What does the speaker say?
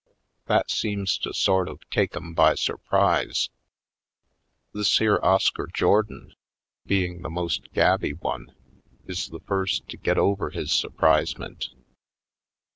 That seems to sort of take 'em by sur prise. This here Oscar Jordan, being the most gabby one, is the first to get over his surprisement.